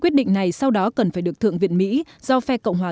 quyết định này sau đó cần phải được thượng viện mỹ do phe cộng hòa